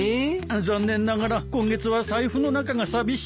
残念ながら今月は財布の中が寂しいんだ。